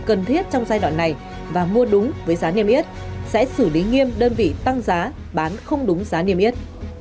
cần thiết trong giai đoạn này và mua đúng với giá niêm yết sẽ xử lý nghiêm đơn vị tăng giá bán không đúng giá niêm yết